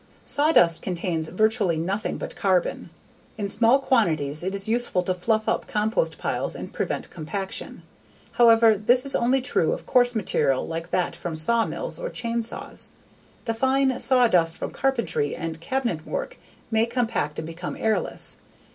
_ Sawdust contains virtually nothing but carbon. In small quantities it is useful to fluff up compost piles and prevent compaction. However this is only true of coarse material like that from sawmills or chain saws. The fine saw dust from carpentry and cabinet work may compact and become airless.